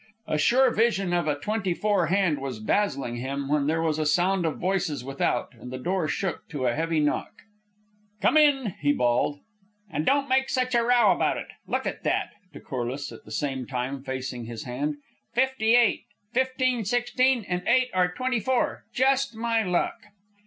A sure vision of a "twenty four" hand was dazzling him, when there was a sound of voices without and the door shook to a heavy knock. "Come in!" he bawled. "An' don't make such a row about it! Look at that" to Corliss, at the same time facing his hand "fifteen eight, fifteen sixteen, and eight are twenty four. Just my luck!"